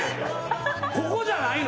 ここじゃないの？